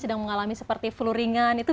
sedang mengalami seperti flu ringan itu